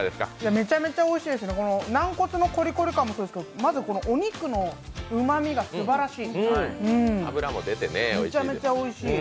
めちゃめちゃおいしいですね、軟骨のコリコリ感もですけどまずこのお肉のうまみがすばらしい。